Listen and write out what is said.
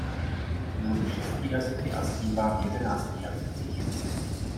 Mluví šesti jazyky a zpívá v jedenácti jazycích.